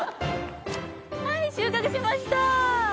はい収穫しました！